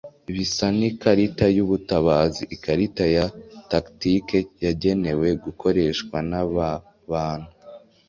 Bisa n'ikarita y'ubutabazi, ikarita ya tactique yagenewe gukoreshwa naba bantu